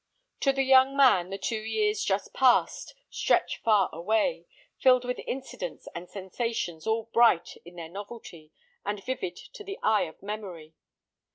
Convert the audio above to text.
To the young man the two years just passed stretch far away, filled with incidents and sensations all bright in their novelty, and vivid to the eye of memory.